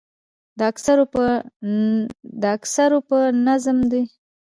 د اکثرو په نظر دوی سم کسان نه وو.